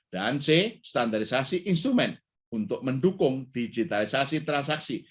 dan c standarisasi instrumen untuk mendukung digitalisasi transaksi